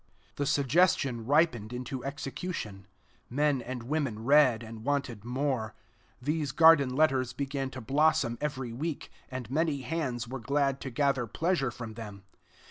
The suggestion ripened into execution. Men and women read, and wanted more. These garden letters began to blossom every week; and many hands were glad to gather pleasure from them.